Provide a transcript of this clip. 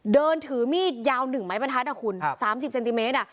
เดินถือมีดยาว๑ไม้บรรทัดอ่ะคุณ๓๐เซนติเมตร